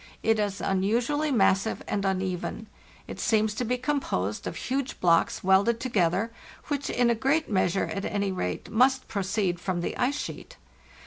It is unusually massive and uneven; it seems to be composed of huge blocks welded together, which in a great measure, at any rate, must proceed from the ice sheet.